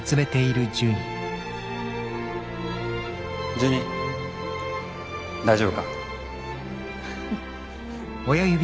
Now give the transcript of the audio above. ジュニ大丈夫か？